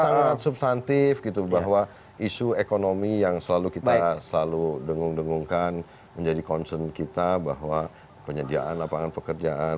sangat substantif gitu bahwa isu ekonomi yang selalu kita selalu dengung dengungkan menjadi concern kita bahwa penyediaan lapangan pekerjaan